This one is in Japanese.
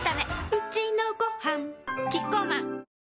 うちのごはんキッコーマン